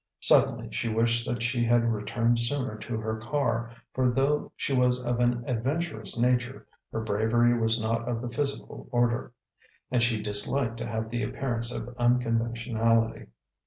Suddenly she wished that she had returned sooner to her car, for though she was of an adventurous nature, her bravery was not of the physical order; and she disliked to have the appearance of unconventionality.